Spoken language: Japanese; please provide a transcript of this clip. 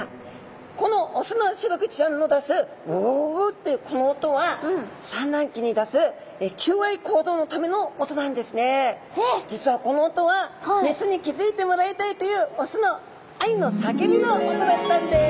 このオスのシログチちゃんの出すグゥグゥグゥグゥというこの音は実はこの音はメスに気付いてもらいたいというオスの愛の叫びの音だったんです！